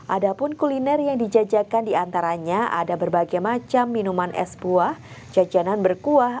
ada pun kuliner yang dijajakan diantaranya ada berbagai macam minuman es buah jajanan berkuah